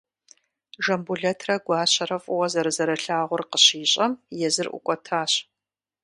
Жамбулэтрэ Гуащэрэ фӏыуэ зэрызэрылъагъур къыщищӏэм, езыр ӏукӏуэтащ.